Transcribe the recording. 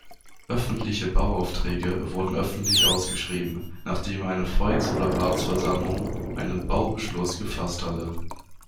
Öffentliche Bauaufträge wurden öffentlich ausgeschrieben, nachdem eine Volks- oder Ratsversammlung einen Baubeschluss gefasst hatte.